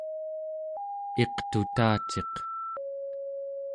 iqtutaciq